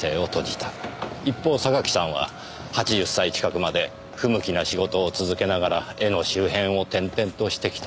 一方榊さんは８０歳近くまで不向きな仕事を続けながら絵の周辺を転々としてきた。